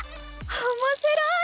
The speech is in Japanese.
おもしろい！